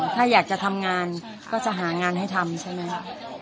ถ้าอยากจะทำงานก็จะหางานให้ทำใช่ไหม